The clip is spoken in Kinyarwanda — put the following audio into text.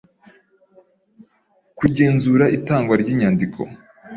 kugenzura itangwa ry inyandiko